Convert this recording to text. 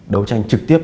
đấu tranh trực tiếp